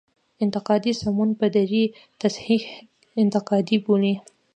انتقادي سمون په دري تصحیح انتقادي بولي.